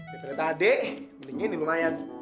dari tadi mending ini lumayan